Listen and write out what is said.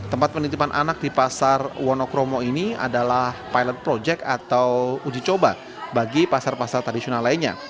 tempat penitipan anak di pasar wonokromo ini adalah pilot project atau uji coba bagi pasar pasar tradisional lainnya